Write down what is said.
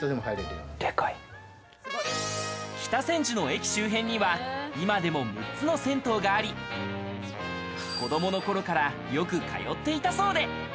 北千住の駅周辺には今でも６つの銭湯があり、子どもの頃からよく通っていたそうで。